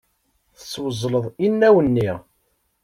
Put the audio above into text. Teswezleḍ inaw-nni.